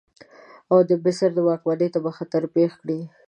او د مصر واکمنۍ ته به خطر پېښ کړي.